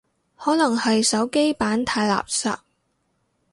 可能係手機版太垃圾